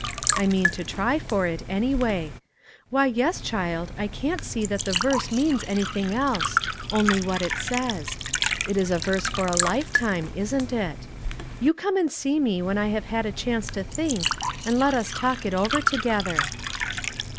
I mean to try for it, anyway. Why, yes, child, I can't see that the verse means SEVERAL STARTLING POINTS. 127 anything else, only what it says. It is a verse for a lifetime, isn't it? You come and see me when I have had a chance to think, and let us talk it over together."